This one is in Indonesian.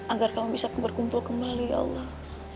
agar kamu bisa berkumpul kembali ya allah